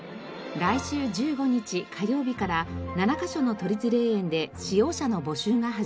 来週１５日火曜日から７カ所の都立霊園で使用者の募集が始まります。